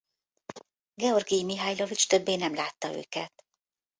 Georgij Mihajlovics többé nem látta őket.